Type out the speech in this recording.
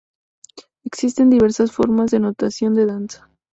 Existen diversas formas de notación de danza.